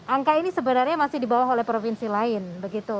angka ini sebenarnya masih dibawah oleh provinsi lain begitu